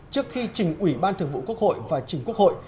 trước khi chỉnh ủy ban thực vụ quốc hội và chỉnh quốc hội